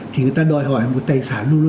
thì người ta đòi hỏi một tài sản luôn luôn